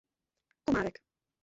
Komárek.